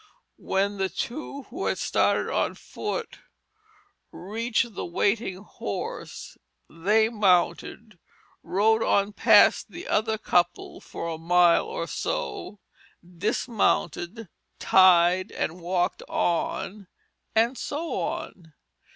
When the two who had started on foot reached the waiting horse, they mounted, rode on past the other couple for a mile or so, dismounted, tied, and walked on; and so on.